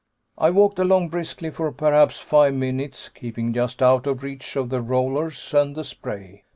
"I walked along briskly for perhaps five minutes, keeping just out of reach of the rollers and the spray.